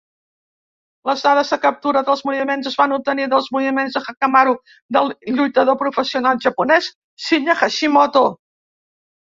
Les dades de captura dels moviments es van obtenir dels moviments d'Hakaimaru del lluitador professional japonès Shinya Hashimoto.